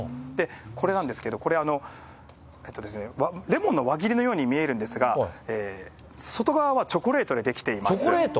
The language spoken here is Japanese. これなんですけど、これ、レモンの輪切りのように見えるんですが、外側はチョコレートで出来ています。